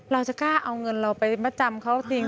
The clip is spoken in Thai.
เราจะกล้าเอาเงินเราไปประจำเขาทิ้ง๓๐